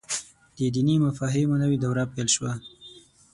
د دیني مفاهیمو نوې دوره پيل شوه.